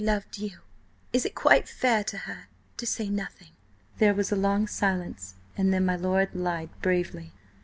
.. loved you ... is it quite fair to her–to say nothing?" There was a long silence, and then my lord lied bravely.